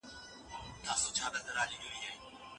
هر زده کوونکی بايد تاريخ وپيژني.